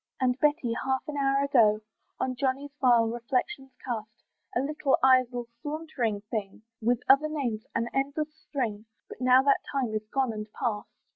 And Betty, half an hour ago, On Johnny vile reflections cast; "A little idle sauntering thing!" With other names, an endless string, But now that time is gone and past.